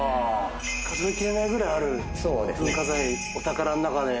数えきれないくらいある文化財お宝のなかで。